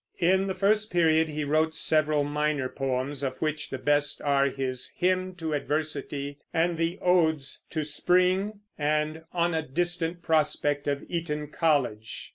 In the first period he wrote several minor poems, of which the best are his "Hymn to Adversity" and the odes "To Spring" and "On a Distant Prospect of Eton College."